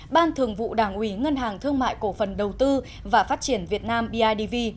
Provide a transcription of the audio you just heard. ban thường vụ đảng ủy ngân hàng thương mại cổ phần đầu tư và phát triển việt nam bidv